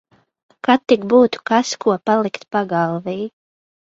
Kad tik būtu kas ko palikt pagalvī.